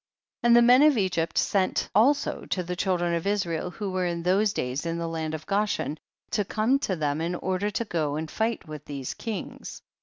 20. And the men of Egypt sent also to the children of Israel who were in those days in the land of Go shen, to come to them in order to go and fight with these kings.